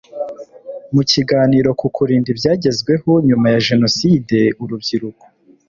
Mu kiganiro ku Kurinda ibyagezweho nyuma ya Jenoside urubyiruko